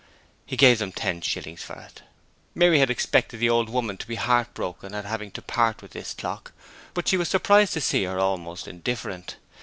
He gave them ten shillings for it. Mary had expected the old woman to be heartbroken at having to part with this clock, but she was surprised to see her almost indifferent.